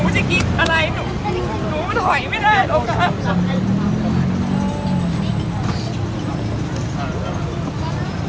คุณสั่งทำอะไรพวกเราทำให้หมดทุกยาน